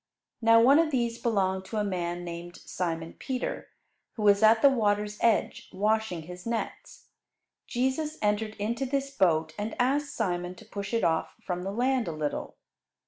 Now one of these belonged to a man named Simon Peter, who was at the water's edge washing his nets. Jesus entered into this boat and asked Simon to push it off from the land a little.